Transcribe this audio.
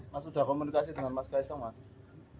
mas sudah komunikasi dengan mas kaisang